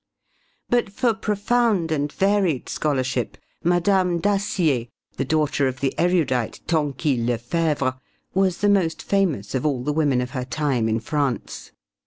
But for profound and varied scholarship Mme. Dacier, the daughter of the erudite Tanquil Le Fevre, was the most famous of all the women of her time in France.